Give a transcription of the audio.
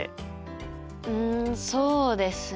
んそうですね。